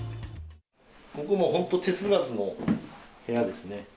ここも本当に手付かずの部屋ですね。